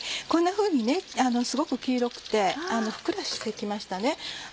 こんなふうにすごく黄色くてふっくらして来ましたね。